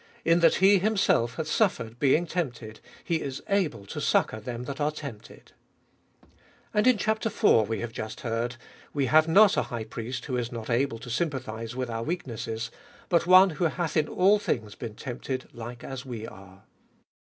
In that He Him self hath suffered, being tempted, He is able to succour them that are tempted. And in chap. iv. we have just heard, We have not a high priest who is not able to sympathise with our weaknesses, but one who hath in all things been tempted like as we are.